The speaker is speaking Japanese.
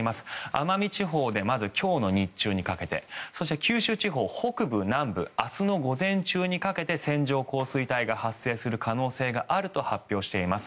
奄美地方でまず今日の日中にかけてそして九州地方北部・南部明日の午前中にかけて線状降水帯が発生する可能性があると発表しています。